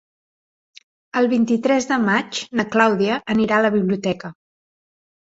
El vint-i-tres de maig na Clàudia anirà a la biblioteca.